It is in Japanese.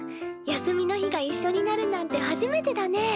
休みの日がいっしょになるなんて初めてだねえ。